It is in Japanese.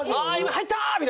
「入った！